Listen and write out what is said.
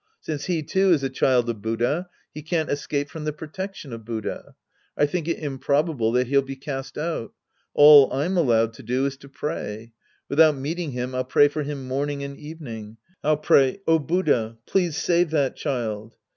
Since he, too, is a child of Buddha, he can't escape from the protection of Buddha. I think it improbable that he'll be cast out. All I'm allowed to do is to pray. Without meeting liim, I'll pray for him morn ing and evening. I'll pray, " Oh, Buddha, please save that child